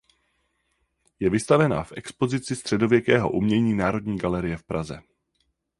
Je vystavena v expozici středověkého umění Národní galerie v Praze.